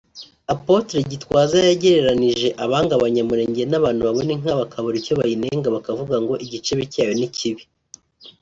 Apotre Gitwaza yagereranije abanga abanyamulenge n'abantu babona inka bakabura icyo bayinenga bakavuga ngo 'Igicebe cyayo ni kibi'